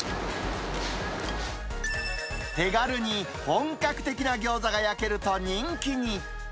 手軽に本格的なギョーザが焼けると人気に。